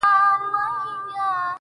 صندان د محبت دي په هر واري مخته راسي!!